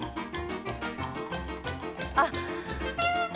あっ！